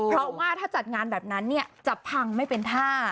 เพราะว่าถ้าจัดงานแบบนั้นจะพังไม่เป็นท่า